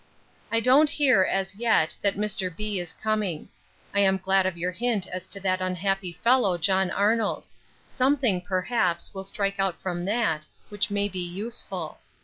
'I don't hear, as yet, that Mr. B—— is coming. I am glad of your hint as to that unhappy fellow John Arnold. Something, perhaps, will strike out from that, which may be useful.